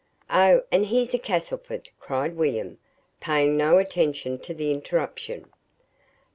"Oh, and here's a Castleford," cried William, paying no attention to the interruption.